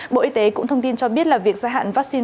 bộ y tế cũng thông tin cho biết là việc gia hạn vaccine